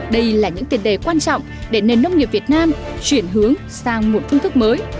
đây là những tiền đề quan trọng để nền nông nghiệp việt nam chuyển hướng sang một phương thức mới